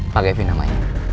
pak kevin namanya